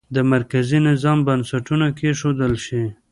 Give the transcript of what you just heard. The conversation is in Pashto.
د مرکزي نظام بنسټونه کېښودل شي.